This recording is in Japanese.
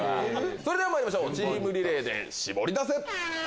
それではまいりましょうチームリレーでシボリダセ！